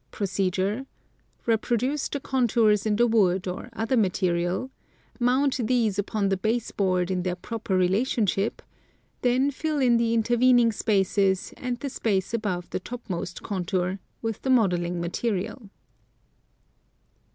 Procedure : reproduce the contours in the wood or other mate rial ; mount these upon the base board in their proper relation ship ; then fill in the intervening spaces, and the space above the topmost contour, with the modeling material.